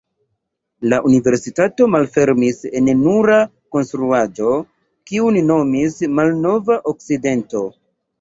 La universitato malfermis en nura konstruaĵo, kiun nomis Malnova Okcidento.